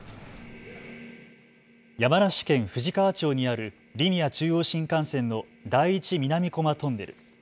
山梨県富士川町にあるリニア中央新幹線の第一南巨摩トンネル。